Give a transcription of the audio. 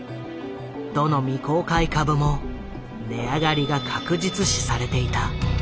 どの未公開株も値上がりが確実視されていた。